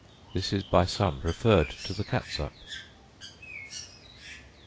This is by some preferred to the catsup.